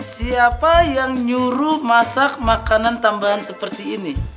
siapa yang nyuruh masak makanan tambahan seperti ini